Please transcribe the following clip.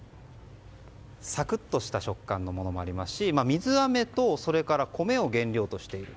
サクッとした食感のものもありますし水あめと米を原料としている。